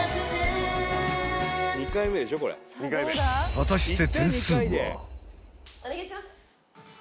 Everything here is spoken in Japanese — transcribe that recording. ［果たして］